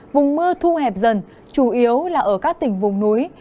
vùng mưa thu hẹp dần chủ yếu là ở các tỉnh vùng núi